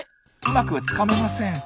うまくつかめません。